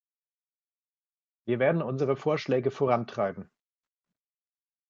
Wir werden unsere Vorschläge vorantreiben.